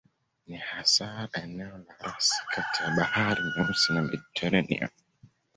Ni hasa eneo la rasi kati ya Bahari Nyeusi na Mediteranea.